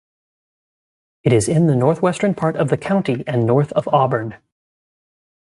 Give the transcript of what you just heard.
It is in the northwestern part of the county and north of Auburn.